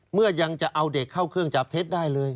เมื่อยังจะเอาเด็กเข้าเครื่องจับเท็จได้เลย